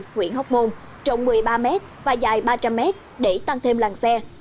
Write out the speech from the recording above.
huyện hóc môn rộng một mươi ba m và dài ba trăm linh m để tăng thêm làng xe